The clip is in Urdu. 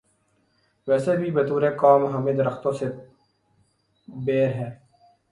ویسے بھی بطور قوم ہمیں درختوں سے بیر ہے۔